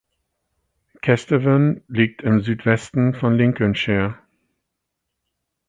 Kesteven liegt im Südwesten von Lincolnshire.